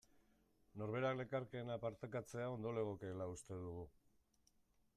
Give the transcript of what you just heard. Norberak lekarkeena partekatzea ondo legokeela uste dugu.